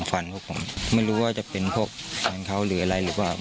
ฟันพวกผมไม่รู้ว่าจะเป็นพวกแฟนเขาหรืออะไรหรือเปล่า